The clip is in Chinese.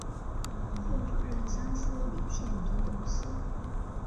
后转任三司理欠凭由司。